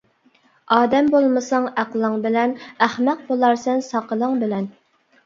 ئادەم بولمىساڭ ئەقلىڭ بىلەن، ئەخمەق بولارسەن ساقىلىڭ بىلەن!